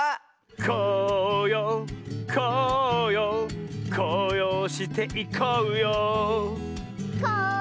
こうようこうようこうようしていこうようこう